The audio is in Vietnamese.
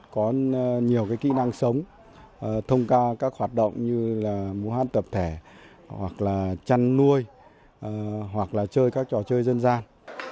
các em có nhiều cái kỹ năng sống thông ca các hoạt động như là mũ hát tập thể hoặc là chăn nuôi hoặc là chơi các trò chơi dân gian